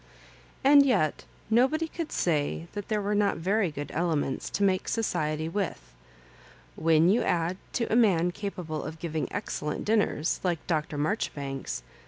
And yet nobody could say that there were not very good elements to make society with. When you add to a man capable of giving excellent dinners, like Dr. Marjoribanks.